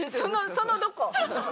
その「どこ？」。